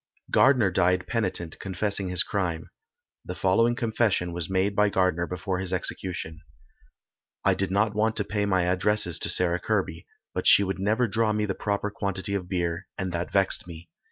Gardner died penitent, confessing his crime. The following confession was made by Gardner before his execution: "I did not want to pay my addresses to Sarah Kirby, but she would never draw me the proper quantity of beer, and that vexed me.